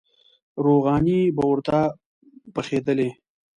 روغانۍ به ورته پخېدلې.